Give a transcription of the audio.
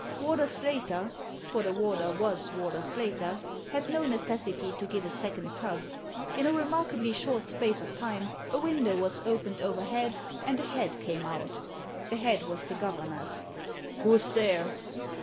Warder Slater ^for the warder was Warder Slater — ^had no necessity to give a second tug. In a remarkably short space of time a window was opened overhead and a head came out The head was the governor's. "Who's there?"